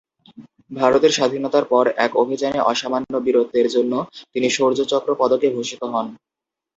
ভারতের স্বাধীনতার পরে এক অভিযানে অসামান্য বীরত্বের জন্য তিনি শৌর্য চক্র পদকে ভূষিত হন।